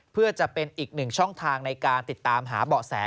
เพื่อจะเป็นอีกหนึ่งช่องทางในการติดตามหาเบาะแส